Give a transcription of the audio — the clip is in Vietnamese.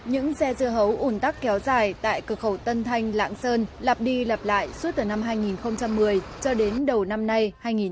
những xe dưa hấu ủn tắc kéo dài tại cửa khẩu tân thanh lạng sơn lặp đi lặp lại suốt từ năm hai nghìn một mươi cho đến đầu năm nay hai nghìn một mươi tám